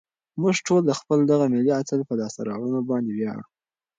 موږ ټول د خپل دغه ملي اتل په لاسته راوړنو باندې ویاړو.